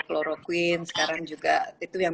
kloroquine sekarang juga itu yang